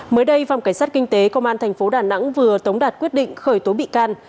mới đây phòng cảnh sát kinh tế công an thành phố đà nẵng vừa tống đạt quyết định khởi tố bị can